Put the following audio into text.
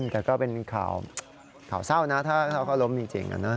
แต่ก็เป็นข่าวเศร้านะถ้าข่าวเศร้าก็ล้มจริงนะ